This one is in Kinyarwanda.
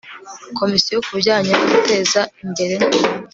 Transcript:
komisiyo ku bijyanye no guteza imbere